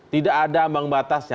tidak ada ambang batasnya